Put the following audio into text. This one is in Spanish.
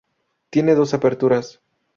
Tiene dos aperturas.